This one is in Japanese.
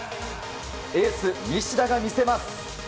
エース、西田が見せます。